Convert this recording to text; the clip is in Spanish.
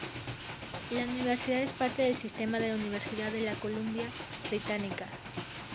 La universidad es parte del sistema de la Universidad de la Columbia Británica.